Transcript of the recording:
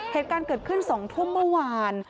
เหตุการณ์เกิดขึ้น๒ทุ่มเมื่อวาน